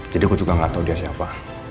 jadi gue juga gak tau dia siapa